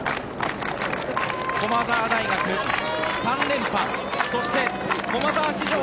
駒澤大学、３連覇そして駒澤史上